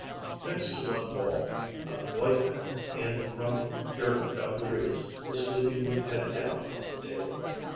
Next to one wall, a white man in rumpled, dirty dungarees was sleeping with head down on the table.